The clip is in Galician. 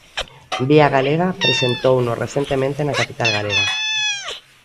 Vía Galega presentouno recentemente na capital galega.